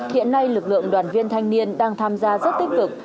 hiện nay lực lượng đoàn viên thanh niên đang tham gia rất tích cực